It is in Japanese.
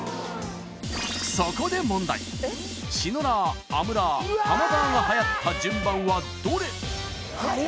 そこで問題シノラーアムラーハマダーがはやった順番はどれ？